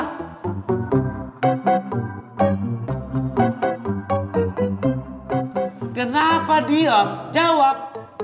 kenapa diam jawab